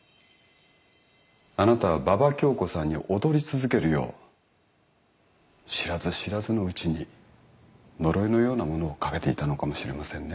あなたは馬場恭子さんに踊り続けるよう知らず知らずのうちに呪いのようなものをかけていたのかもしれませんね。